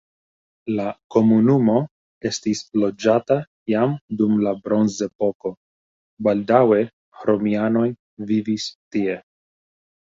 La komunumo estis loĝata jam dum la bronzepoko, baldaŭe romianoj vivis tie.